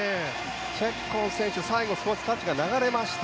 チェッコン選手は最後少しタッチが流れました。